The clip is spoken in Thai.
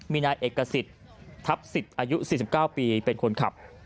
มีนายเอกสิทธิ์ทัพสิทธิ์อายุ๔๙ปีเป็นคนขับ